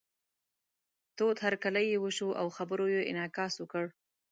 تود هرکلی یې وشو او خبرو یې انعکاس وکړ.